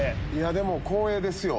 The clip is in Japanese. でも光栄ですよ。